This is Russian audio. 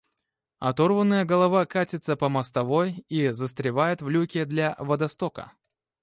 Оторванная голова катится по мостовой и застревает в люке для водостока.